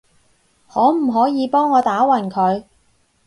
可唔可以幫我打暈佢？